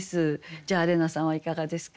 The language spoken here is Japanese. じゃあ怜奈さんはいかがですか？